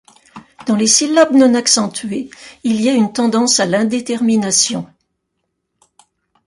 Dans les syllabes non accentuées, il y a une tendance à l'indétermination.